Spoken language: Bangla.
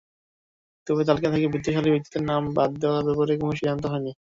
তবে তালিকা থেকে বিত্তশালী ব্যক্তিদের নাম বাদ দেওয়ার ব্যাপারে কোনো সিদ্ধান্ত হয়নি।